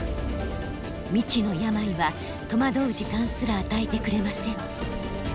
未知の病は戸惑う時間すら与えてくれません。